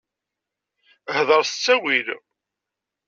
Hḍeṛ s ttawil!